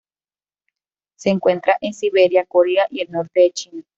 Se encuentra en Siberia, Corea y el norte de China.